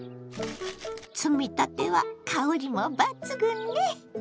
摘みたては香りも抜群ね！